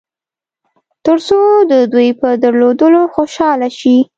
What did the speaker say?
تر څو د دوی په درلودلو خوشاله شئ.